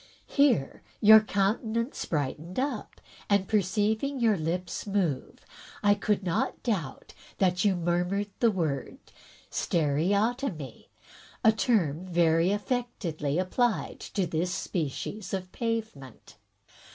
Here your countenance brightened up, and, perceiving "your lips move, I could not doubt that you murmured the word 'stereotomy,' a term very affectedly applied to this species of pavement.